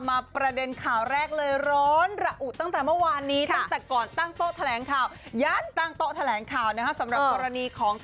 มาประเด็นข่าวแรกเลยล้น